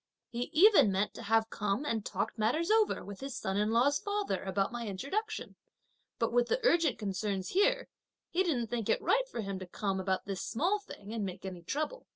He even meant to have come and talked matters over with his son in law's father about my introduction, but with the urgent concerns here, he didn't think it right for him to come about this small thing, and make any trouble.